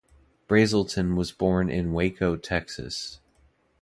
Brazelton was born in Waco, Texas.